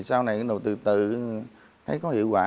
sau này từ từ thấy có hiệu quả